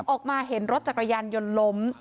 ออกมาเห็นรถจักรยานยนต์ล้ม